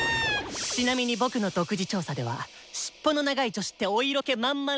⁉ちなみに僕の独自調査ではしっぽの長い女子っておいろけ満々らしいんだよ。